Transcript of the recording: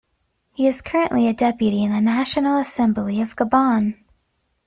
He is currently a Deputy in the National Assembly of Gabon.